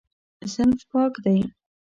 صنف پاک دی.